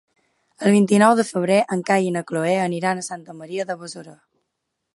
El vint-i-nou de febrer en Cai i na Cloè aniran a Santa Maria de Besora.